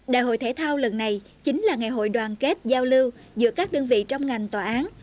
đại hội thể thao lần này chính là ngày hội đoàn kết giao lưu giữa các đơn vị trong ngành tòa án